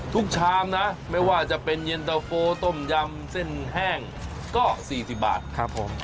ชามนะไม่ว่าจะเป็นเย็นตะโฟต้มยำเส้นแห้งก็๔๐บาทครับผม